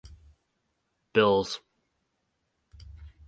Bills.